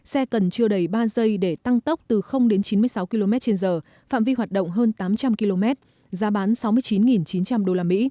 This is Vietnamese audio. xe cần chưa đầy ba giây để tăng tốc từ đến chín mươi sáu km trên giờ phạm vi hoạt động hơn tám trăm linh km giá bán sáu mươi chín chín trăm linh usd